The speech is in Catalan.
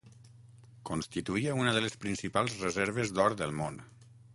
Constituïa una de les principals reserves d'or del món.